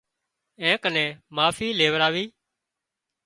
اين ڪنين معافي ليوراوي